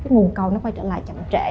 nguồn cầu quay trở lại chậm trễ